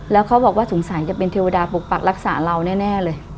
แล้วเขาบอกว่าสงสารจะเป็นเทวดาปกปักรักษาเราแน่เลย